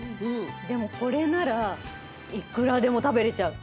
でもこれならいくらでもたべれちゃう！